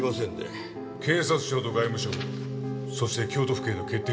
警察庁と外務省そして京都府警の決定事項です。